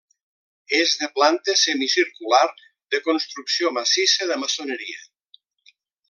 És de planta semicircular, de construcció massissa de maçoneria.